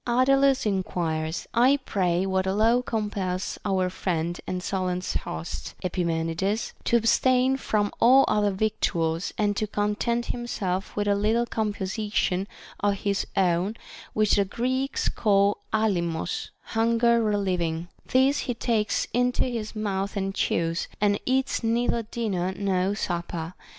Ardalns enquires : I pray what law compels our friend and Solon's host, Epimenides, to abstain from all other victuals, and to con tent himself with a little composition of his own, which the Greeks call άλψος (hunger relieving) \ This he takes into his mouth and chews, and eats neither dinner nor supper.